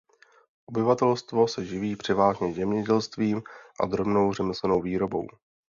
Obyvatelstvo se živí převážně zemědělstvím a drobnou řemeslnou výrobou.